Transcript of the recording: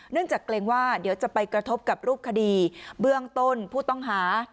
จากเกรงว่าเดี๋ยวจะไปกระทบกับรูปคดีเบื้องต้นผู้ต้องหา